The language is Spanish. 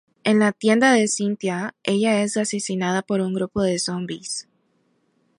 En la tienda de Cynthia, ella es asesinada por un grupo de zombies.